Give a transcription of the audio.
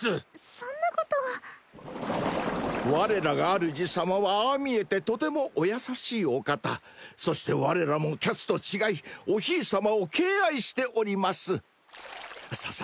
そんなことは我らが主さまはああ見えてとてもお優しいおかたそして我らも彼奴と違いおひいさまを敬愛しておりますささ